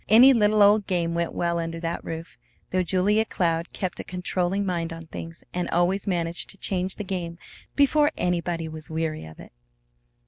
Any little old game went well under that roof, though Julia Cloud kept a controlling mind on things, and always managed to change the game before anybody was weary of it.